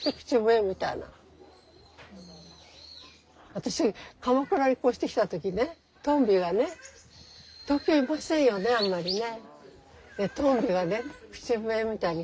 私鎌倉に越してきた時ねトンビがね東京いませんよねあんまりね。